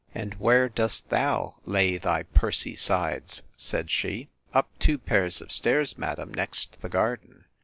And where dost thou lay the pursy sides? said she. Up two pair of stairs, madam, next the garden.